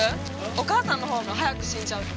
お母さんの方が早く死んじゃうとか？